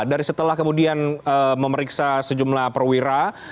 dari setelah kemudian memeriksa sejumlah perwira